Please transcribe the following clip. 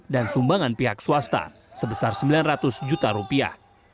dan sumbangan pihak swasta sebesar rp sembilan ratus juta